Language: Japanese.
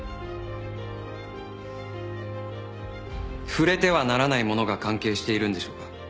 「触れてはならないもの」が関係しているんでしょうか？